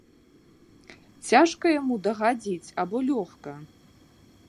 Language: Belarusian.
Цяжка яму дагадзіць альбо лёгка?